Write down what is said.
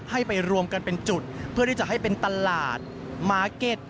ให้ไปรวมกันเป็นจุดเพื่อที่จะให้เป็นตลาดมาร์เก็ต